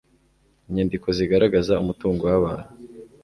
inyandiko zigaragaza umutungo w abantu